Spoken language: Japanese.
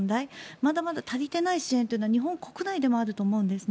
まだまだ足りていない支援は日本国内でもあると思うんですね。